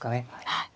はい。